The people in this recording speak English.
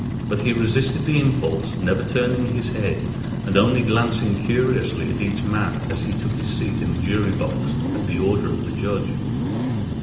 But he resisted the impulse, never turning his head, and only glancing curiously at each man as he took his seat in the jury box at the order of the judge.